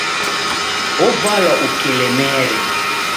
Ovalwa ukelemere.